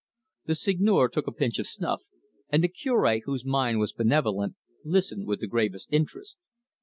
The Seigneur took a pinch of snuff, and the Cure, whose mind was benevolent, listened with the gravest interest.